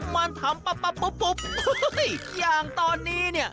มันทำปั๊บปุ๊บปุ๊บอย่างตอนนี้เนี่ย